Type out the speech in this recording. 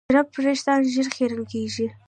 چرب وېښتيان ژر خیرن کېږي.